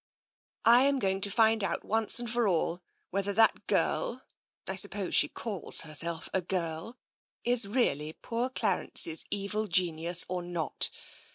" I am going to find out once and for all whether that girl — I suppose she calls herself a girl — is really poor Clarence's evil genius or not.